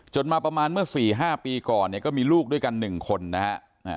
มาประมาณเมื่อ๔๕ปีก่อนเนี่ยก็มีลูกด้วยกัน๑คนนะฮะ